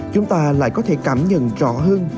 chúng ta lại có thể cảm nhận rõ hơn